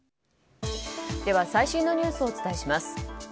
では最新のニュースをお伝えします。